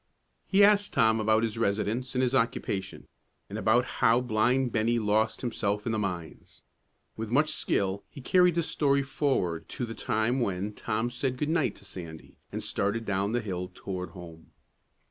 He asked Tom about his residence and his occupation, and about how blind Bennie lost himself in the mines. With much skill, he carried the story forward to the time when Tom said good night to Sandy, and started down the hill toward home.